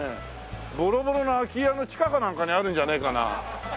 ボロボロの空き家の地下かなんかにあるんじゃねえかな？